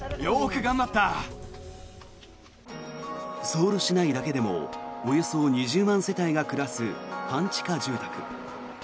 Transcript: ソウル市内だけでもおよそ２０万世帯が暮らす半地下住宅。